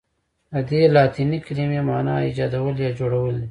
ددې لاتیني کلمې معنی ایجادول یا جوړول دي.